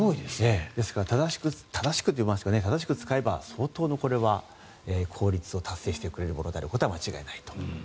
ですから、正しく使えば相当の効率を達成してくれるものであることは間違いないと。